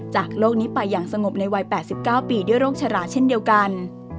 จากโลกนี้ไปอย่างสงบในวัย๘๙ปีด้วยโรคชราเช่นเดียวกัน